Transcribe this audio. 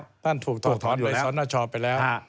คือท่านถูกถอดท้อนไปสอนหน้าชอบไปแล้ว